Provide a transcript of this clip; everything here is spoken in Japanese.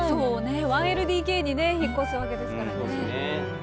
１ＬＤＫにね引っ越すわけですからね。